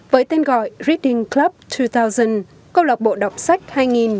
với tên gọi reading club hai nghìn cộng lọc bộ đọc sách hai nghìn